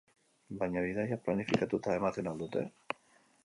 Baina bidaia planifikatuta ematen al dute?